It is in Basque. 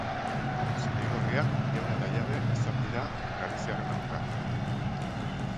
Zuri-gorriak jaun eta jabe izan dira galiziarren aurka.